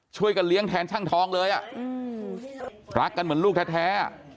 ช่วยกันเลี้ยงแทนช่างทองเลยอ่ะรักกันเหมือนลูกแท้